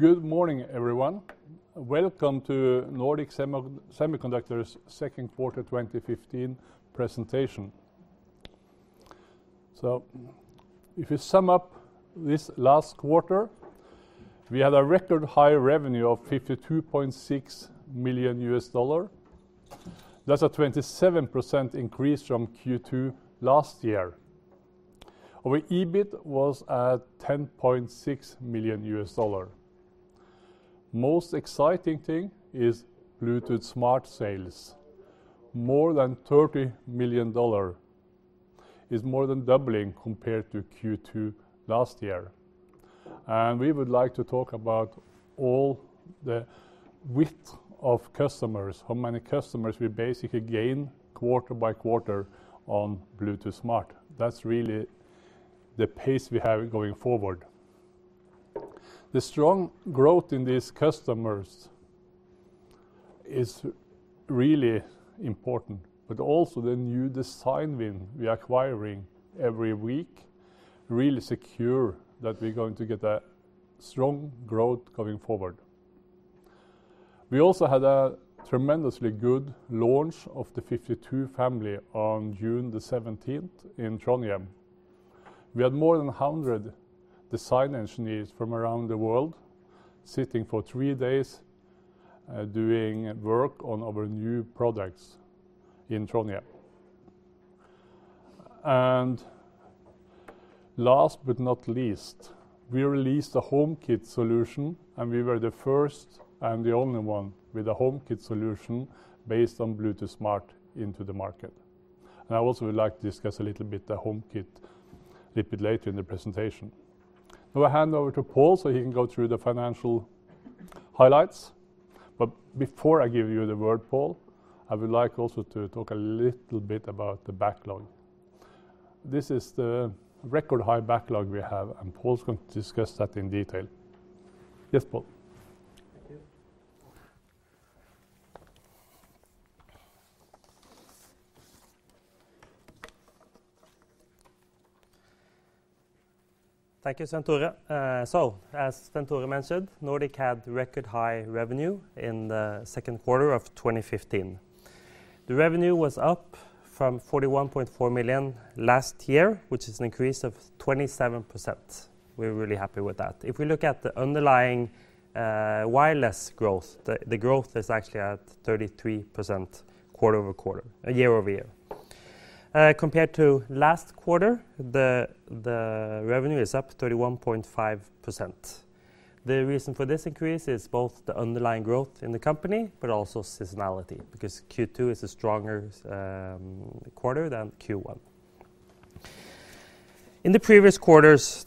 Good morning, everyone. Welcome to Nordic Semiconductor's second quarter 2015 presentation. If you sum up this last quarter, we had a record high revenue of $52.6 million. That's a 27% increase from Q2 last year. Our EBIT was at $10.6 million. Most exciting thing is Bluetooth Smart sales. More than $30 million, is more than doubling compared to Q2 last year. We would like to talk about all the width of customers, how many customers we basically gain quarter by quarter on Bluetooth Smart. That's really the pace we have going forward. The strong growth in these customers is really important, but also the new design win we are acquiring every week, really secure that we're going to get a strong growth going forward. We also had a tremendously good launch of the nRF52 family on June the 17th in Trondheim. We had more than 100 design engineers from around the world sitting for 3 days, doing work on our new products in Trondheim. Last but not least, we released a HomeKit solution, and we were the first and the only one with a HomeKit solution based on Bluetooth Smart into the market. I also would like to discuss a little bit the HomeKit a little bit later in the presentation. I will hand over to Pål, he can go through the financial highlights. Before I give you the word, Pål, I would like also to talk a little bit about the backlog. This is the record high backlog we have, Pål's going to discuss that in detail. Yes, Pål. Thank you. Thank you, Svenn-Tore. As Svenn-Tore mentioned, Nordic had record high revenue in the second quarter of 2015. The revenue was up from 41.4 million last year, which is an increase of 27%. We're really happy with that. If we look at the underlying wireless growth, the growth is actually at 33% quarter-over-quarter, year-over-year. Compared to last quarter, the revenue is up 31.5%. The reason for this increase is both the underlying growth in the company, but also seasonality, because Q2 is a stronger quarter than Q1. In the previous quarters,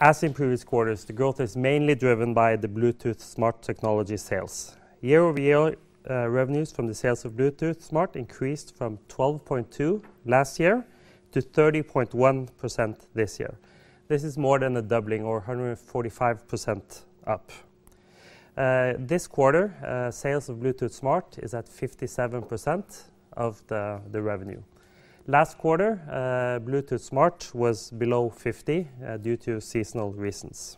as in previous quarters, the growth is mainly driven by the Bluetooth Smart technology sales. Year-over-year, revenues from the sales of Bluetooth Smart increased from 12.2 last year to 30.1% this year. This is more than a doubling or a 145% up. This quarter, sales of Bluetooth Smart is at 57% of the revenue. Last quarter, Bluetooth Smart was below 50 due to seasonal resonance.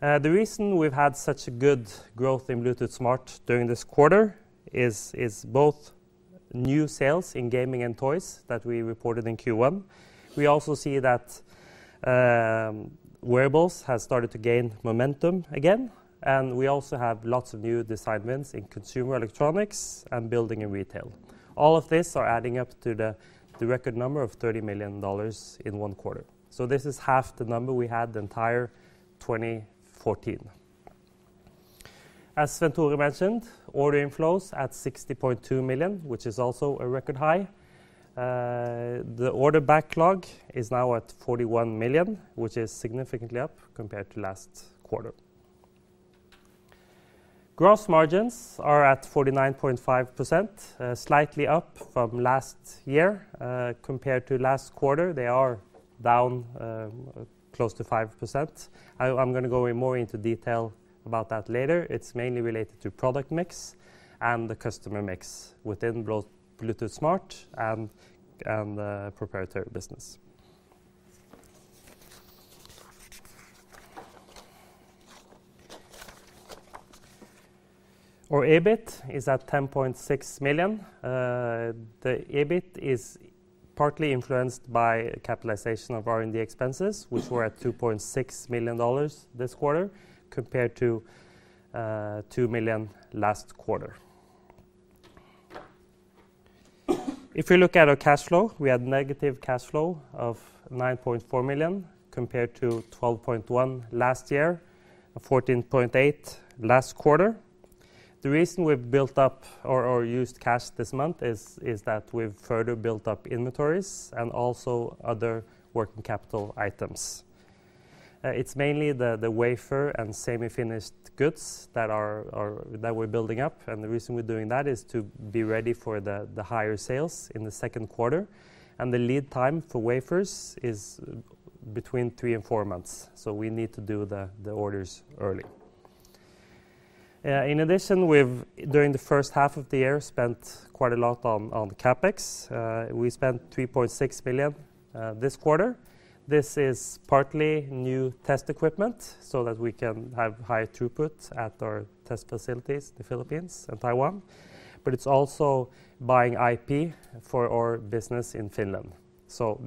The reason we've had such a good growth in Bluetooth Smart during this quarter is both new sales in gaming and toys that we reported in Q1. We also see that wearables has started to gain momentum again, and we also have lots of new design wins in consumer electronics and building and retail. All of this are adding up to the record number of $30 million in one quarter. This is half the number we had the entire 2014. As Svenn-Tore mentioned, order inflows at $60.2 million, which is also a record high. The order backlog is now at $41 million, which is significantly up compared to last quarter. Gross margins are at 49.5%, slightly up from last year. Compared to last quarter, they are down close to 5%. I'm going to go more into detail about that later. It's mainly related to product mix and the customer mix within Bluetooth Smart and the proprietary business. Our EBIT is at $10.6 million. The EBIT is partly influenced by capitalization of R&D expenses, which were at $2.6 million this quarter, compared to $2 million last quarter. If you look at our cash flow, we had negative cash flow of 9.4 million, compared to 12.1 last year, and 14.8 last quarter. The reason we've built up or used cash this month is that we've further built up inventories and also other working capital items. It's mainly the wafer and semi-finished goods that we're building up, and the reason we're doing that is to be ready for the higher sales in the second quarter, and the lead time for wafers is between 3 and 4 months. We need to do the orders early. In addition, we've, during the first half of the year, spent quite a lot on CapEx. We spent 3.6 billion this quarter. This is partly new test equipment so that we can have high throughput at our test facilities, the Philippines and Taiwan, but it's also buying IP for our business in Finland.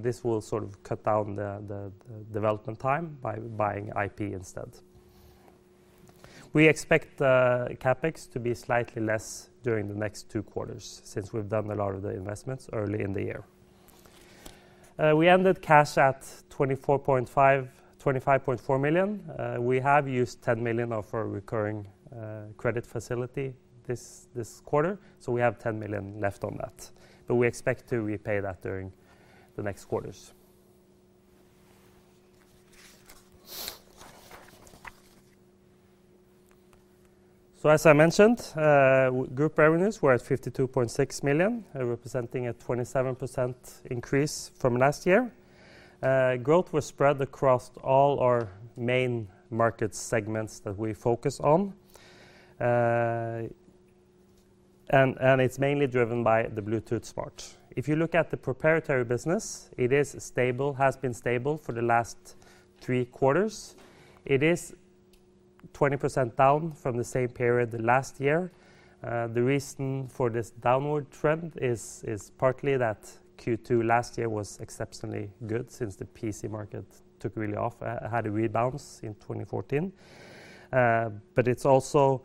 This will sort of cut down the development time by buying IP instead. We expect the CapEx to be slightly less during the next two quarters since we've done a lot of the investments early in the year. We ended cash at $25.4 million. We have used $10 million of our recurring credit facility this quarter, so we have $10 million left on that, but we expect to repay that during the next quarters. As I mentioned, group revenues were at $52.6 million, representing a 27% increase from last year. Growth was spread across all our main market segments that we focus on, it's mainly driven by the Bluetooth Smart. If you look at the proprietary business, it is stable, has been stable for the last three quarters. It is 20% down from the same period last year. The reason for this downward trend is partly that Q2 last year was exceptionally good since the PC market took really off, had a rebalance in 2014. It's also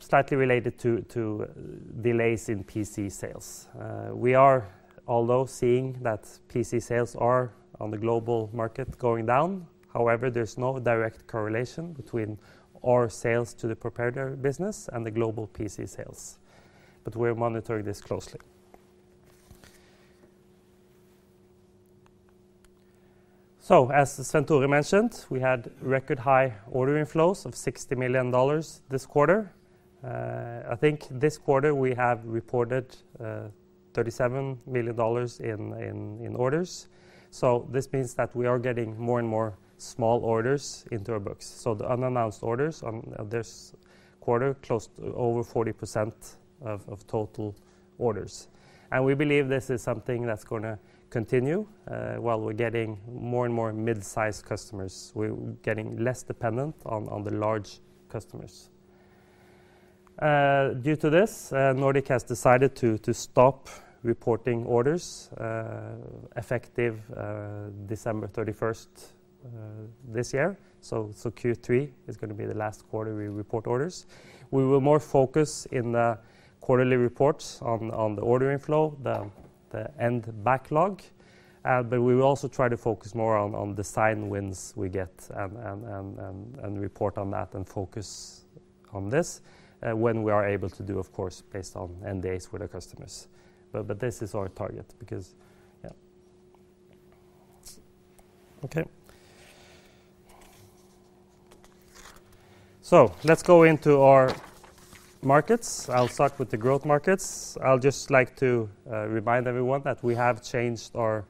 slightly related to delays in PC sales. We are although seeing that PC sales are, on the global market, going down. There's no direct correlation between our sales to the proprietary business and the global PC sales. We're monitoring this closely. As Svenn-Tore mentioned, we had record high order inflows of $60 million this quarter. I think this quarter we have reported $37 million in orders, this means that we are getting more and more small orders into our books. The unannounced orders on this quarter, close to over 40% of total orders. We believe this is something that's gonna continue while we're getting more and more mid-sized customers. We're getting less dependent on the large customers. Due to this, Nordic has decided to stop reporting orders effective December 31st this year. Q3 is gonna be the last quarter we report orders. We will more focus in the quarterly reports on the ordering flow, the end backlog, but we will also try to focus more on the sign wins we get and report on that, and focus on this when we are able to do, of course, based on end dates with our customers. This is our target because. Let's go into our markets. I'll start with the growth markets. I'll just like to remind everyone that we have changed our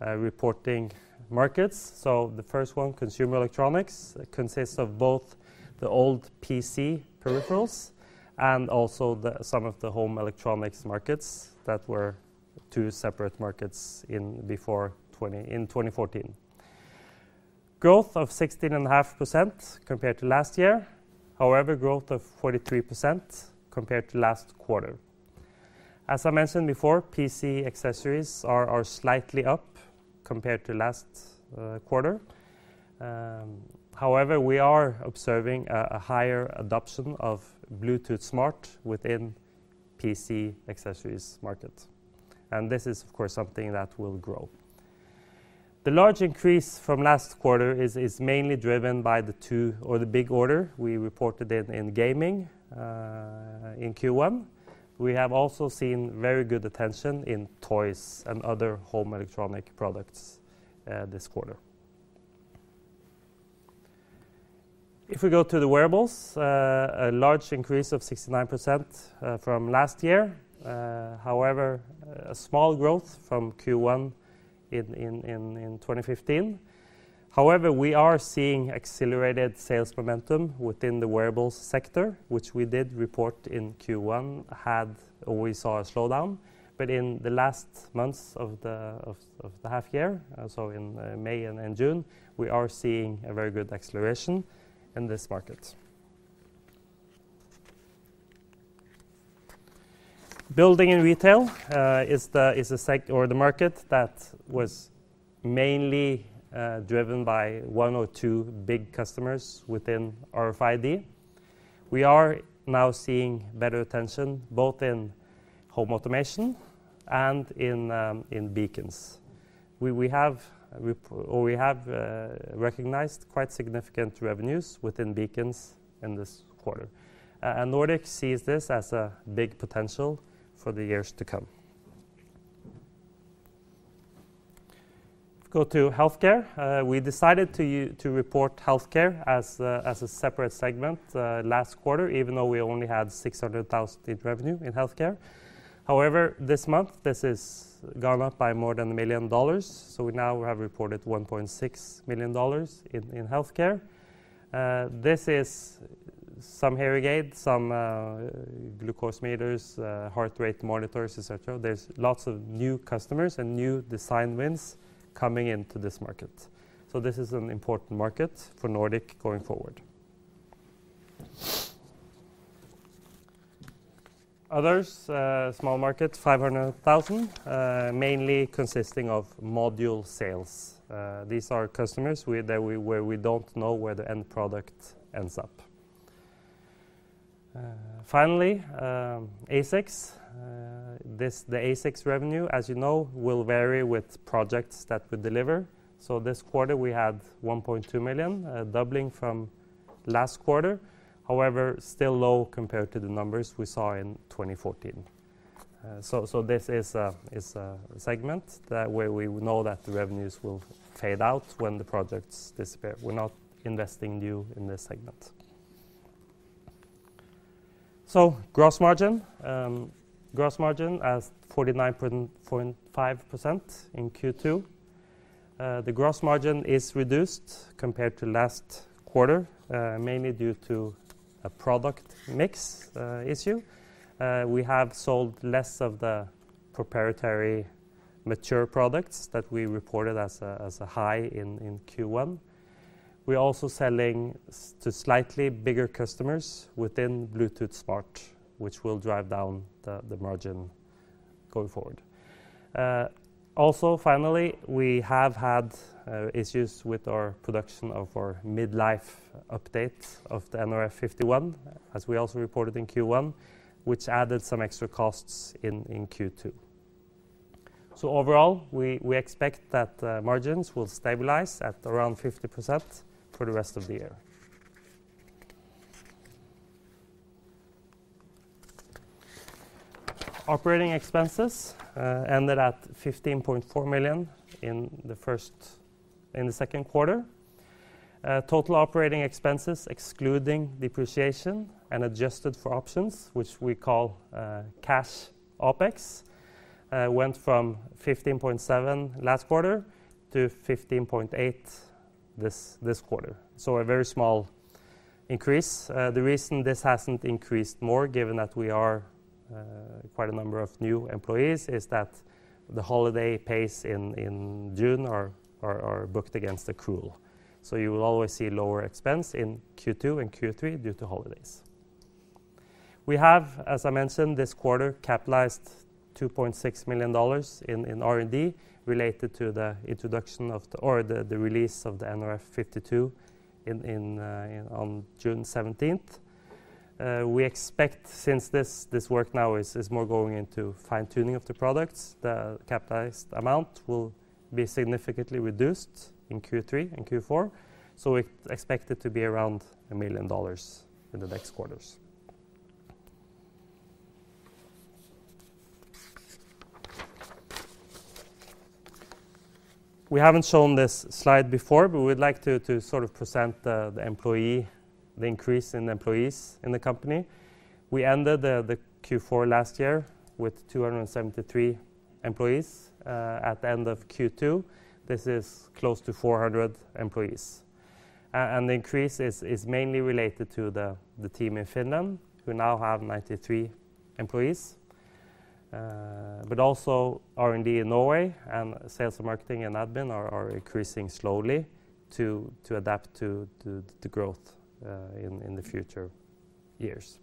reporting markets. The first one, consumer electronics, consists of both the old PC peripherals and also some of the home electronics markets that were two separate markets in 2014. Growth of 16.5% compared to last year, however, growth of 43% compared to last quarter. As I mentioned before, PC accessories are slightly up compared to last quarter. We are observing a higher adoption of Bluetooth Smart within PC accessories market. This is, of course, something that will grow. The large increase from last quarter is mainly driven by the big order we reported in gaming in Q1. We have also seen very good attention in toys and other home electronic products this quarter. If we go to the wearables, a large increase of 69% from last year, however, a small growth from Q1 in 2015. We are seeing accelerated sales momentum within the wearables sector, which we did report in Q1. We saw a slowdown. In the last months of the half year, so in May and June, we are seeing a very good acceleration in this market. Building and retail is the market that was mainly driven by one or two big customers within RFID. We are now seeing better attention, both in home automation and in beacons. We have recognized quite significant revenues within beacons in this quarter. Nordic sees this as a big potential for the years to come. Go to healthcare. We decided to report healthcare as a separate segment last quarter, even though we only had 600,000 in revenue in healthcare. This month, this is gone up by more than $1 million, so we now have reported $1.6 million in healthcare. This is some HairiGate, some glucose meters, heart rate monitors, et cetera. There's lots of new customers and new design wins coming into this market. This is an important market for Nordic going forward. Others, small markets, $500,000, mainly consisting of module sales. These are customers where we don't know where the end product ends up. Finally, ASICs. The ASICs revenue, as you know, will vary with projects that we deliver. This quarter, we had $1.2 million, doubling from last quarter. Still low compared to the numbers we saw in 2014. This is a segment that where we know that the revenues will fade out when the projects disappear. We're not investing new in this segment. Gross margin as 49.5% in Q2. The gross margin is reduced compared to last quarter, mainly due to a product mix issue. We have sold less of the proprietary mature products that we reported as a high in Q1. We're also selling to slightly bigger customers within Bluetooth Smart, which will drive down the margin going forward. Also, finally, we have had issues with our production of our mid-life update of the nRF51, as we also reported in Q1, which added some extra costs in Q2. Overall, we expect that margins will stabilize at around 50% for the rest of the year. Operating expenses ended at $15.4 million in the second quarter. Total operating expenses, excluding depreciation and adjusted for options, which we call cash OpEx, went from $15.7 last quarter to $15.8 this quarter. A very small increase. The reason this hasn't increased more, given that we are quite a number of new employees, is that the holiday pace in June are booked against accrual. You will always see lower expense in Q2 and Q3 due to holidays. We have, as I mentioned, this quarter, capitalized $2.6 million in R&D, related to the introduction of the... or the release of the nRF52 in, on June 17th. We expect, since this work now is more going into fine-tuning of the products, the capitalized amount will be significantly reduced in Q3 and Q4, so we expect it to be around $1 million in the next quarters. We haven't shown this slide before, but we would like to sort of present the employee increase in employees in the company. We ended the Q4 last year with 273 employees. At the end of Q2, this is close to 400 employees. The increase is mainly related to the team in Finland, who now have 93 employees, but also R&D in Norway, and sales and marketing and admin are increasing slowly to adapt to the growth in the future years.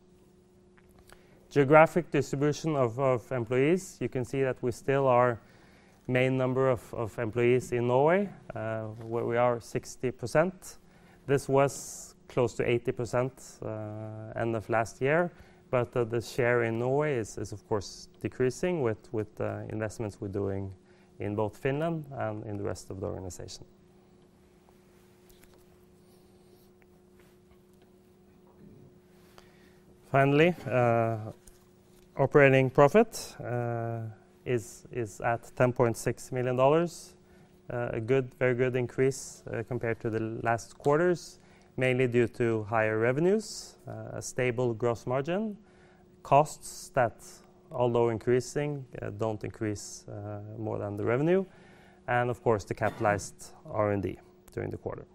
Geographic distribution of employees. You can see that we still are main number of employees in Norway, where we are 60%. This was close to 80% end of last year, but the share in Norway is, of course, decreasing with the investments we're doing in both Finland and in the rest of the organization. Finally, operating profit is at $10.6 million. A very good increase, compared to the last quarters, mainly due to higher revenues, a stable gross margin, costs that, although increasing, don't increase more than the revenue, and of course, the capitalized R&D during the quarter.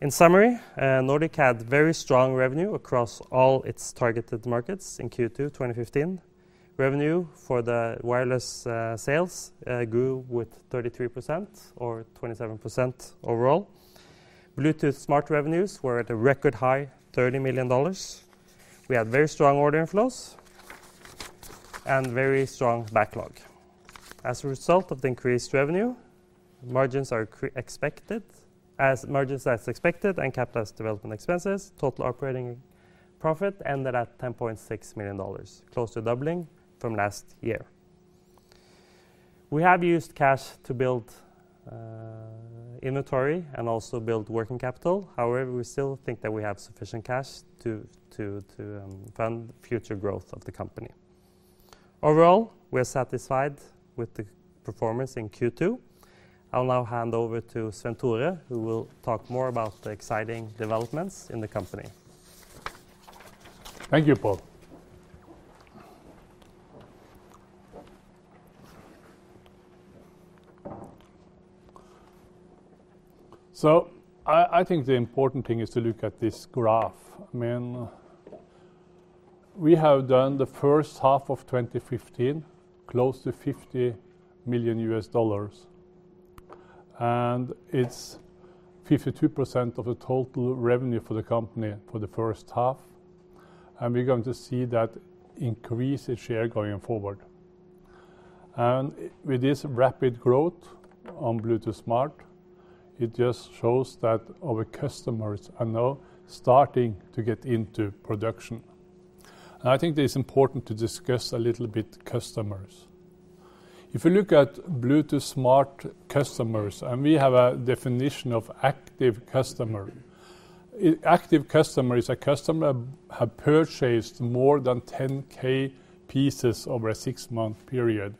In summary, Nordic had very strong revenue across all its targeted markets in Q2 2015. Revenue for the wireless sales grew with 33% or 27% overall. Bluetooth Smart revenues were at a record high, $30 million. We had very strong order inflows and very strong backlog. As a result of the increased revenue, margins are expected, as margins as expected and capitalized development expenses, total operating profit ended at $10.6 million, close to doubling from last year. We have used cash to build inventory and also build working capital. However, we still think that we have sufficient cash to fund future growth of the company. Overall, we are satisfied with the performance in Q2. I'll now hand over to Svein-Tore, who will talk more about the exciting developments in the company. Thank you, Pål. I think the important thing is to look at this graph. I mean, we have done the first half of 2015, close to $50 million, and it's 52% of the total revenue for the company for the first half, and we're going to see that increase its share going forward. With this rapid growth on Bluetooth Smart, it just shows that our customers are now starting to get into production. I think that it's important to discuss a little bit customers. If you look at Bluetooth Smart customers, and we have a definition of active customer. A active customer is a customer have purchased more than 10K pieces over a 6-month period.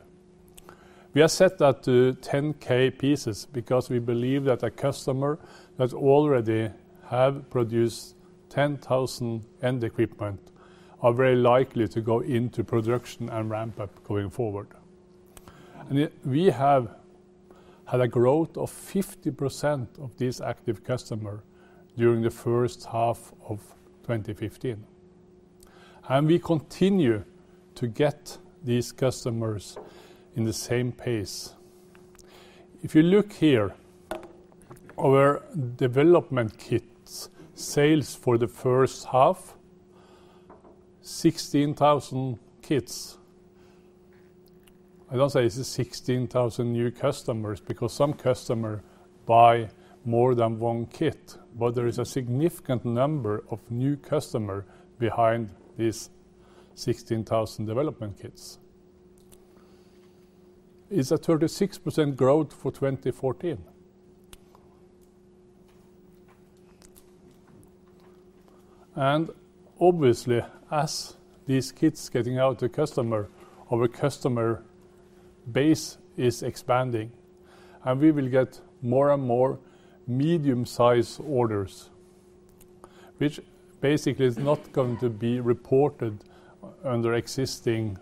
We have set that to 10K pieces because we believe that a customer that already have produced 10,000 end equipment are very likely to go into production and ramp up going forward. Yet we have had a growth of 50% of this active customer during the first half of 2015, and we continue to get these customers in the same pace. If you look here, our development kits, sales for the first half, 16,000 kits. I don't say this is 16,000 new customers, because some customer buy more than one kit, but there is a significant number of new customer behind these 16,000 development kits. It's a 36% growth for 2014. Obviously, as these kits getting out to customer, our customer base is expanding, we will get more and more medium-size orders, which basically is not going to be reported under existing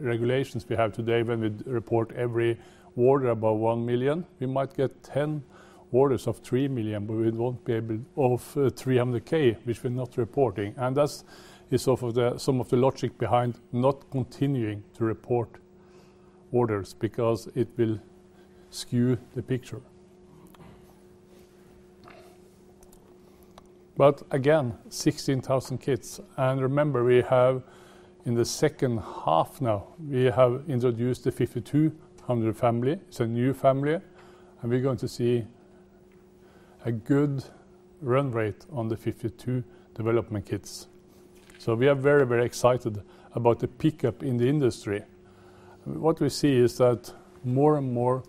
regulations we have today when we report every order above 1 million. We might get 10 orders of 3 million, we won't be able of 300K, which we're not reporting. That's some of the logic behind not continuing to report orders because it will skew the picture. Again, 16,000 kits, remember, we have in the second half now, we have introduced the nRF52 Series. It's a new family, we're going to see a good run rate on the nRF52 development kits. We are very, very excited about the pickup in the industry. What we see is that more and more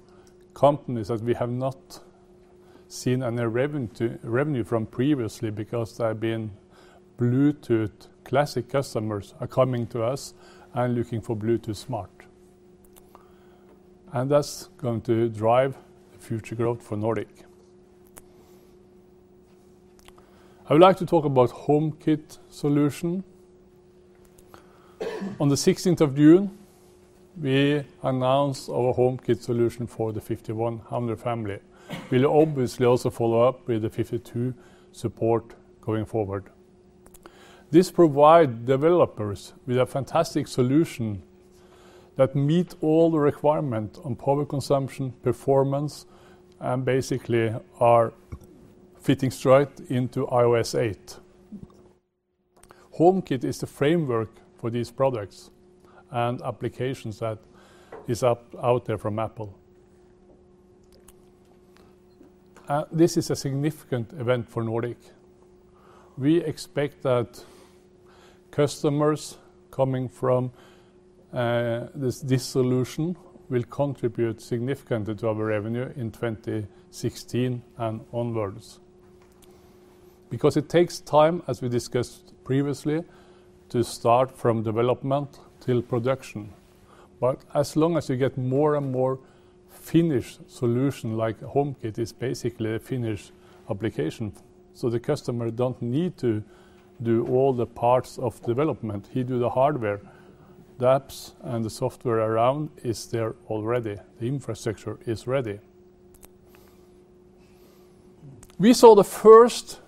companies that we have not seen any revenue from previously, because they've been Bluetooth Classic customers, are coming to us and looking for Bluetooth Smart. That's going to drive the future growth for Nordic. I would like to talk about HomeKit solution. On the 16th of June, we announced our HomeKit solution for the 5100 family. We'll obviously also follow up with the 52 support going forward. This provide developers with a fantastic solution that meet all the requirement on power consumption, performance, and basically are fitting straight into iOS 8. HomeKit is the framework for these products and applications that is up, out there from Apple. This is a significant event for Nordic. We expect that customers coming from this solution will contribute significantly to our revenue in 2016 and onwards. It takes time, as we discussed previously, to start from development till production. As long as you get more and more finished solution, like HomeKit is basically a finished application, so the customer don't need to do all the parts of development. He do the hardware, the apps and the software around is there already. The infrastructure is ready. We saw the first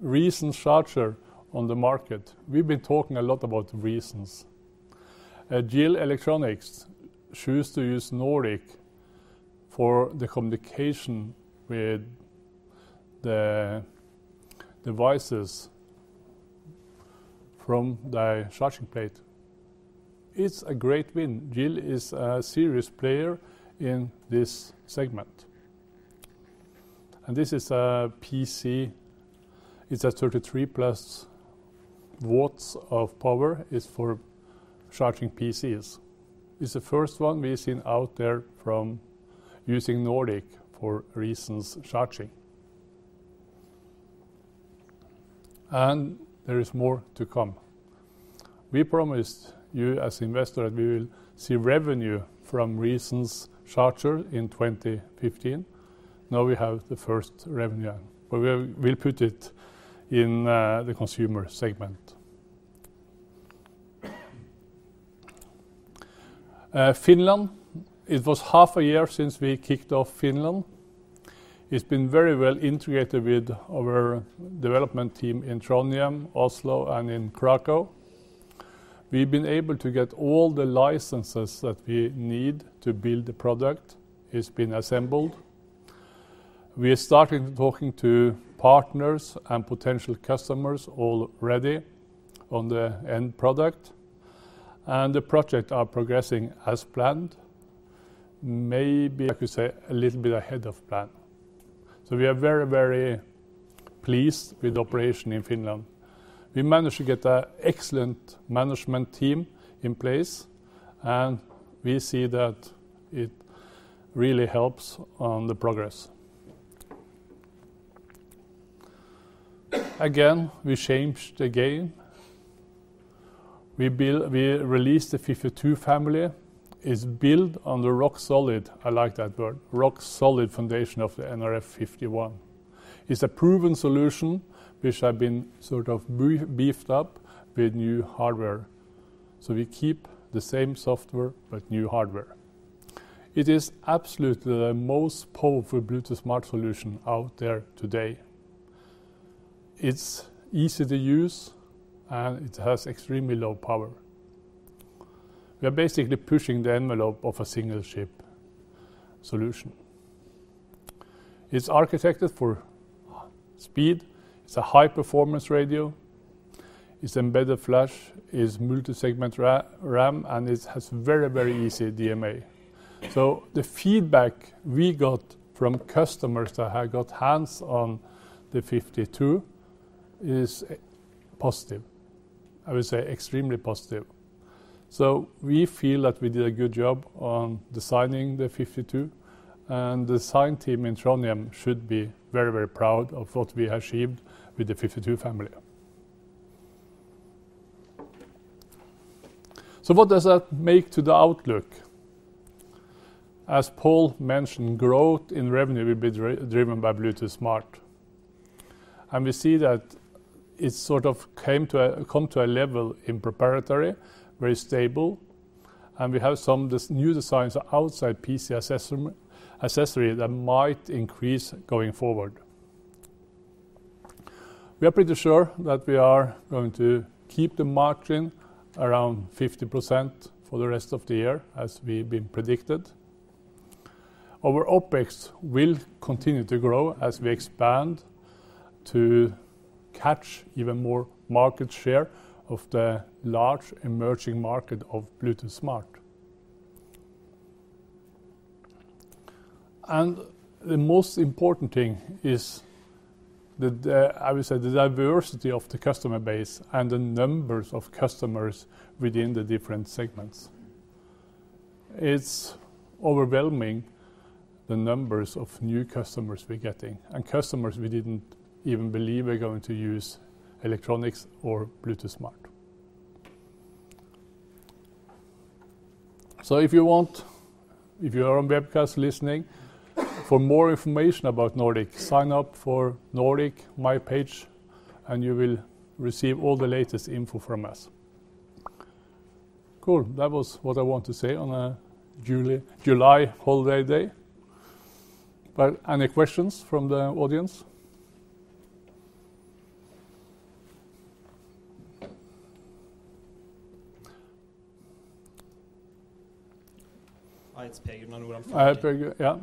resonant charger on the market. We've been talking a lot about reasons. Gil Electronics choose to use Nordic for the communication with the devices from the charging plate. It's a great win. Gill is a serious player in this segment. This is a PC. It's a 33 plus W of power, is for charging PCs. It's the first one we've seen out there from using Nordic for resonant charging. There is more to come. We promised you, as investor, that we will see revenue from resonant charger in 2015. Now we have the first revenue, but we'll put it in the consumer segment. Finland, it was half a year since we kicked off Finland. It's been very well integrated with our development team in Trondheim, Oslo, and in Krakow. We've been able to get all the licenses that we need to build the product. It's been assembled. We are starting talking to partners and potential customers already on the end product, and the project are progressing as planned. Maybe I could say a little bit ahead of plan. We are very, very pleased with operation in Finland. We managed to get a excellent management team in place, and we see that it really helps on the progress. Again, we changed the game. We released the 52 family. It's built on the rock solid, I like that word, rock solid foundation of the nRF51 Series. It's a proven solution which have been sort of beefed up with new hardware. We keep the same software, but new hardware. It is absolutely the most powerful Bluetooth Smart solution out there today. It's easy to use, and it has extremely low power. We are basically pushing the envelope of a single chip solution. It's architected for speed. It's a high-performance radio. It's embedded flash, it's multi-segment RAM, and it has very easy DMA. The feedback we got from customers that have got hands on the 52 is positive. I would say extremely positive. We feel that we did a good job on designing the 52, and the design team in Trondheim should be very proud of what we achieved with the 52 family. What does that make to the outlook? As Pål mentioned, growth in revenue will be driven by Bluetooth Smart. We see that it sort of came to a level in proprietary, very stable, and we have some of these new designs outside PC assessment, accessory, that might increase going forward. We are pretty sure that we are going to keep the margin around 50% for the rest of the year, as we've been predicted. Our OpEx will continue to grow as we expand to catch even more market share of the large emerging market of Bluetooth Smart. The most important thing is that the, I would say, the diversity of the customer base and the numbers of customers within the different segments. It's overwhelming, the numbers of new customers we're getting, and customers we didn't even believe were going to use electronics or Bluetooth Smart. If you want, if you are on webcast listening, for more information about Nordic, sign up for Nordic MyPage, you will receive all the latest info from us. Cool. That was what I want to say on a July holiday day. Any questions from the audience? Hi, it's Pegg Manuram. Hi, Pegg. Yeah.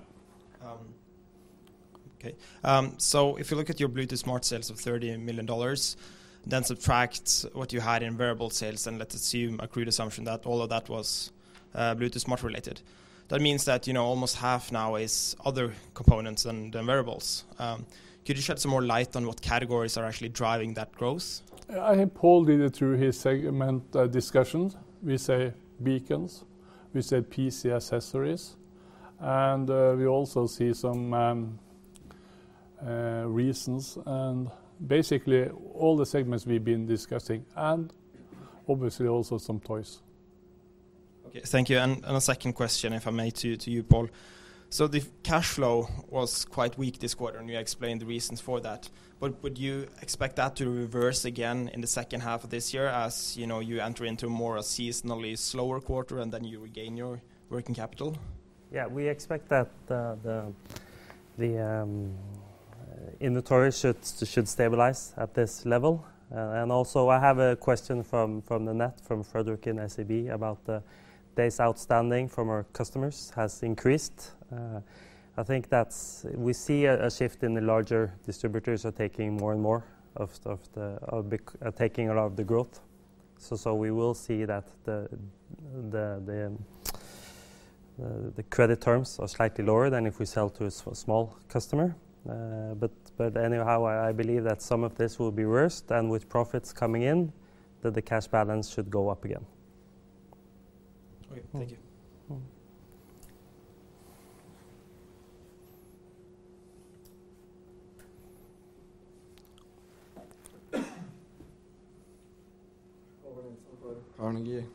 Okay. If you look at your Bluetooth Smart sales of $30 million, subtract what you had in wearable sales, let's assume a crude assumption that all of that was Bluetooth Smart related, that means that, you know, almost half now is other components than the wearables. Could you shed some more light on what categories are actually driving that growth? I think Pål did it through his segment, discussions. We say beacons, we said PC accessories, and we also see some reasons and basically all the segments we've been discussing, and obviously also some toys. Okay. Thank you. A second question, if I may, to you, Pål. The cash flow was quite weak this quarter, and you explained the reasons for that. Would you expect that to reverse again in the second half of this year, as, you know, you enter into more a seasonally slower quarter, and then you regain your working capital? Yeah, we expect that the inventory should stabilize at this level. Also, I have a question from the net, from Frederick in SEB about the days outstanding from our customers has increased. I think that's... We see a shift in the larger distributors are taking a lot of the growth. We will see that the credit terms are slightly lower than if we sell to a small customer. Anyhow, I believe that some of this will be reversed, and with profits coming in, that the cash balance should go up again. Okay. Thank you. Mm-hmm. Carnegie.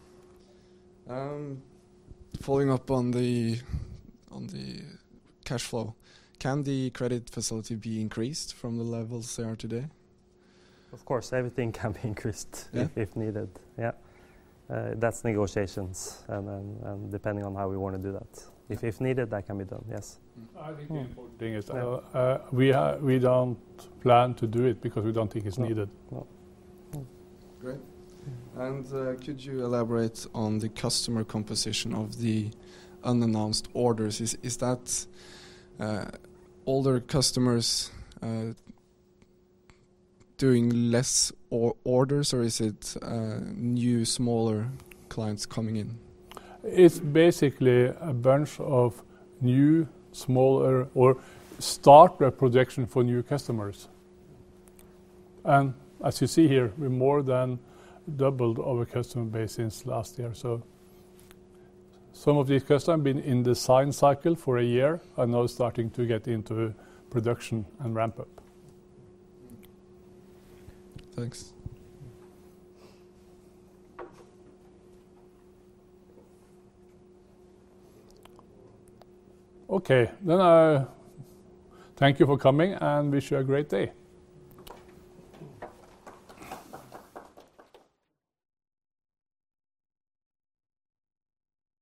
Following up on the, on the cash flow, can the credit facility be increased from the levels they are today? Of course, everything can be increased. Yeah... if needed. Yeah. That's negotiations, and then, and depending on how we want to do that. If, if needed, that can be done, yes. I think the important thing is, we don't plan to do it because we don't think it's needed. No. Great. Could you elaborate on the customer composition of the unannounced orders? Is that older customers doing less orders, or is it new smaller clients coming in? It's basically a bunch of new, smaller, or starter production for new customers. As you see here, we more than doubled our customer base since last year. Some of these customers have been in the design cycle for a year, are now starting to get into production and ramp up. Thanks. Okay. Thank you for coming, and wish you a great day.